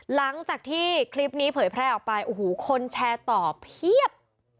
หลังจากที่คลิปนี้เผยแพร่ออกไปโอ้โหคนแชร์ต่อเพียบ